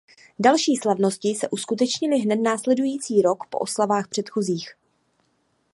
Další slavnosti se uskutečnily hned následující rok po oslavách předchozích.